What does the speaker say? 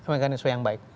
mekanisme yang baik